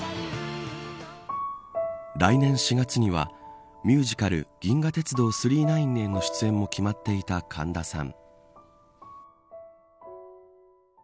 来年４月にはミュージカル銀河鉄道９９９への出演も決まっていた神田さん。